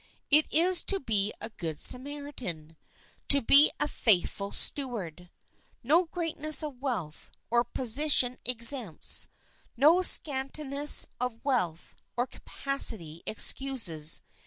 It is to be a Good Samaritan, to be a faithful steward. No greatness of wealth or position exempts ; no scantiness of wealth or capacity excuses.